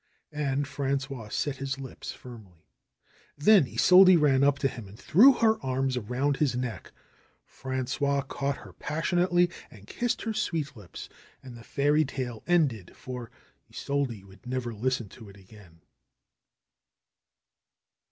And Frangois set his lips firmly. Then Isolde ran up to him and threw her arms around his neck. Frangois caught her passionately and kissed her sweet lips. And the fairy tale ended, for Isolde would never listen to it again.